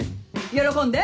喜んで！